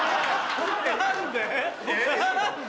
何で？